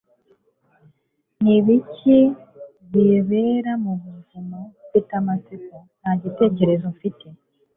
ni ibiki bibera mu buvumo? mfite amatsiko. nta gitekerezo mfite